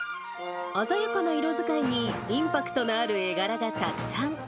鮮やかな色使いに、インパクトのある絵柄がたくさん。